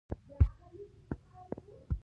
متلونه د ژبې د لهجو ساتندوی دي